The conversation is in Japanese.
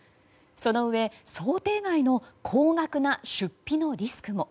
そのうえ、想定外の高額な出費のリスクも。